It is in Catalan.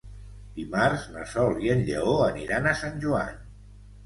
Dimarts na Sol i en Lleó aniran a Sant Joan.